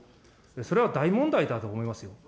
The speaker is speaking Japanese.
それは大問題だと思いますよ。